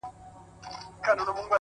خپل وخت د خپلو ارزښتونو لپاره وکاروئ!